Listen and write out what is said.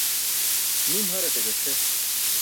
Nim haraṭe gac̣ʰe.